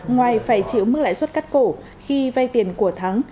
ngoài phải chịu mức lãi suất cắt cổ khi vay tiền của thắng